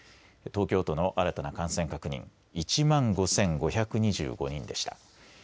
東京都の新たな感染確認、１万５５２５人でした。